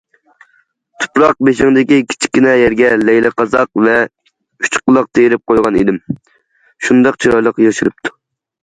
تۇپراق بېشىڭدىكى كىچىككىنە يەرگە لەيلىقازاق ۋە ئۈچقۇلاق تېرىپ قويغان ئىدىم، شۇنداق چىرايلىق ياشىرىپتۇ.